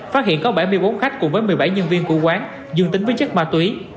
phát hiện có bảy mươi bốn khách cùng với một mươi bảy nhân viên của quán dương tính với chất ma túy